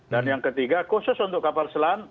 dan yang ketiga khusus untuk kapal selam